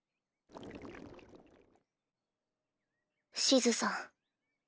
シズさん